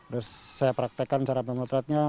terus saya praktekkan cara memotretnya